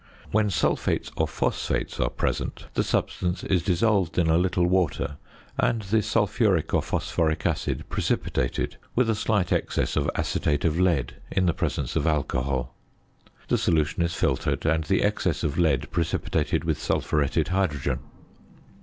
When sulphates or phosphates are present, the substance is dissolved in a little water, and the sulphuric or phosphoric acid precipitated with a slight excess of acetate of lead in the presence of alcohol. The solution is filtered, and the excess of lead precipitated with sulphuretted hydrogen.